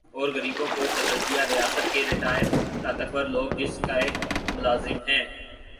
اور غریبوں کو قتل کیا ریاست کے ریٹائر طاقتور لوگ جس کے ملازم ھیں